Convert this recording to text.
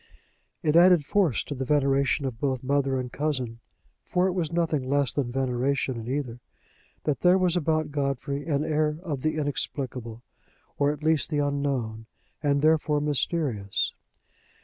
It added force to the veneration of both mother and cousin for it was nothing less than veneration in either that there was about Godfrey an air of the inexplicable, or at least the unknown, and therefore mysterious.